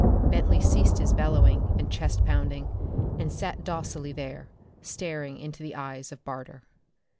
Bentley ceased his bellowing and chest pounding and sat docilely there, staring into the eyes of Barter.